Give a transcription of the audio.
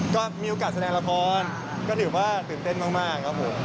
ก็มีโอกาสแสดงละครก็ถือว่าตื่นเต้นมากครับผม